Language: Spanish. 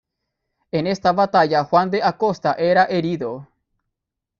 En esta batalla Juan de Acosta era herido.